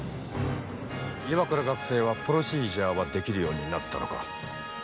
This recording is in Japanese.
岩倉学生はプロシージャーはできるようになったのか？